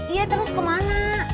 iya terus kemana